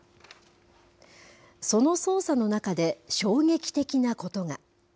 その捜査の中で衝撃的なことが。